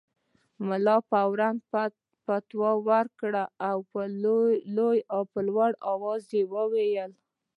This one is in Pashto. ملا فوراً فتوی ورکړه او په لوړ اواز یې وویل.